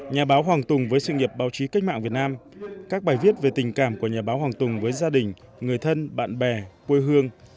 nhà báo hoàng tùng với sự nghiệp báo chí cách mạng việt nam các bài viết về tình cảm của nhà báo hoàng tùng với gia đình người thân bạn bè quê hương